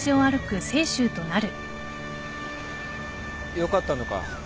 よかったのか？